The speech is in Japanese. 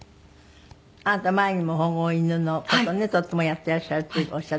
あなた前にも保護犬の事ねとってもやっていらっしゃるっておっしゃっていたわね。